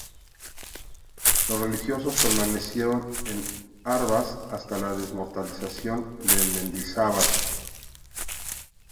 Los religiosos permanecieron en Hervás hasta la Desamortización de Mendizabal.